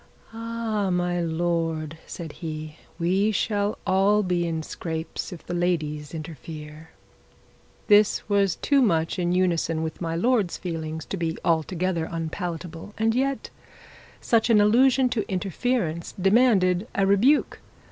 'Ah, my lord,' said he, 'we shall all be in scrapes if the ladies interfere.' This was too much in unison with his lordship's feelings to be altogether unpalatable, and yet such an allusion to interference demanded a rebuke.